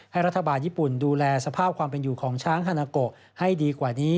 รัฐบาลญี่ปุ่นดูแลสภาพความเป็นอยู่ของช้างฮานาโกให้ดีกว่านี้